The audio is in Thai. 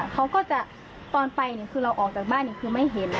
เขาก็จะตอนไปเนี่ยคือเราออกจากบ้านคือไม่เห็น